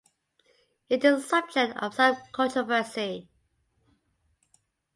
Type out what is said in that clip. It is a subject of some controversy.